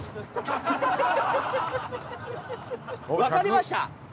分かりました。